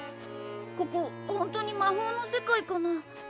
ここ本当に魔法の世界かな？